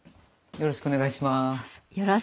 よろしくお願いします。